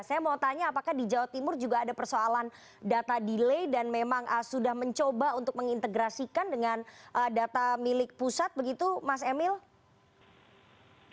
saya mau tanya apakah di jawa timur juga ada persoalan data delay dan memang sudah mencoba untuk mengintegrasikan dengan data milik pusat begitu mas emil